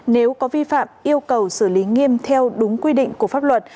nếu có vi phạm yêu cầu xử lý nghiêm theo đúng quy định của pháp luật